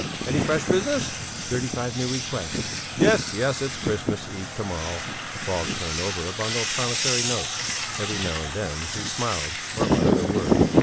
Any fresh business?" "Thirty five new requests." "Yes, yes, it's Christmas Eve to morrow." Falk turned over a bundle of promissory notes; every now and then he smiled, or muttered a word.